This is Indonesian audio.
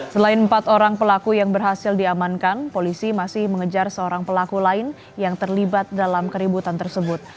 selain empat orang pelaku yang berhasil diamankan polisi masih mengejar seorang pelaku lain yang terlibat dalam keributan tersebut